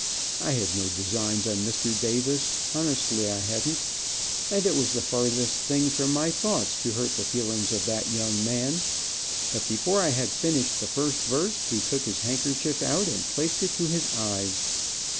I had no designs on Mr. Davis, honestly I hadn't, and it was the farthest thing from my thoughts to hurt the feelings of that young man, but before I had finished the first verse he took his handkerchief out and placed it to his eyes.